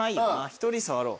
１人触ろう。